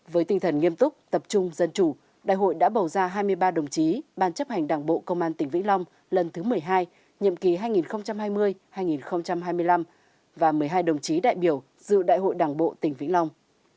với tinh thần nghiêm túc tập trung dân chủ đại hội đã bầu ra hai mươi ba đồng chí ban chấp hành đảng bộ công an tỉnh vĩnh long lần thứ một mươi hai nhiệm kỳ hai nghìn hai mươi hai nghìn hai mươi năm và một mươi hai đồng chí đại biểu dự đại hội đảng bộ tỉnh vĩnh long